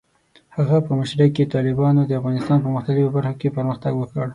د هغه په مشرۍ کې، طالبانو د افغانستان په مختلفو برخو کې پرمختګ وکړ.